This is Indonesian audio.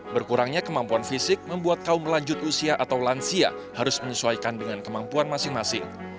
berkurangnya kemampuan fisik membuat kaum lanjut usia atau lansia harus menyesuaikan dengan kemampuan masing masing